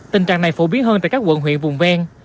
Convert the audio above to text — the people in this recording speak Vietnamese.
tình trạng này phổ biến hơn tại các quận huyện vùng ven